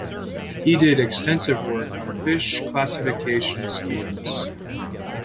He did extensive work on fish classification schemes.